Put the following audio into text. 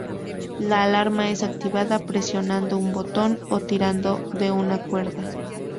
La alarma es activada presionando un botón o tirando de una cuerda.